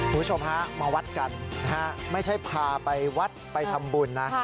คุณผู้ชมฮะมาวัดกันนะฮะไม่ใช่พาไปวัดไปทำบุญนะ